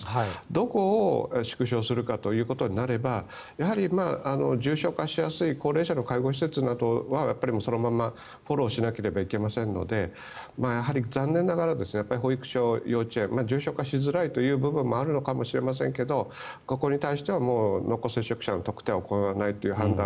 どこを縮小するかということになれば重症化しやすい高齢者の介護施設などはそのままフォローしなければいけませんのでやはり残念ながら保育所、幼稚園重症化しづらいという部分もあるのかもしれませんけどここに対してはもう濃厚接触者の特定は行わないという判断。